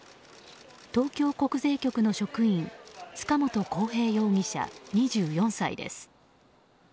東京国税局の職員塚本晃平容疑者、２４歳です。